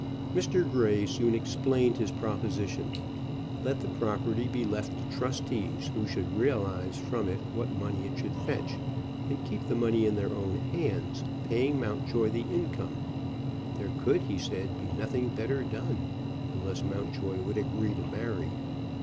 Mr. Grey soon explained his proposition. Let the property be left to trustees who should realize from it what money it should fetch, and keep the money in their own hands, paying Mountjoy the income. "There could," he said, "be nothing better done, unless Mountjoy would agree to marry.